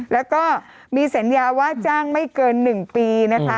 แล้วก็มีสัญญาว่าจ้างไม่เกิน๑ปีนะคะ